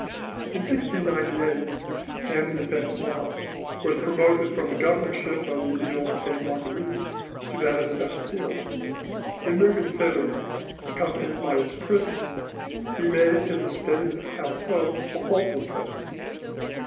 "In 1698 M. de Saint Mars was promoted from the governorship of the Iles Sainte Marguerite to that of the Bastille. In moving thither, accompanied by his prisoner, he made his estate of Palteau a halting place.